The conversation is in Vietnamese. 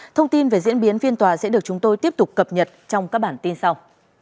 thông tin về diễn biến phiên tòa sẽ được chúng tôi tiếp tục cập nhật trong các bản tin sau